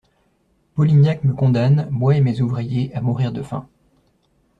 Polignac me condamne, moi et mes ouvriers, à mourir de faim!